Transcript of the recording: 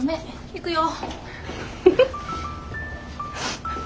行くよ。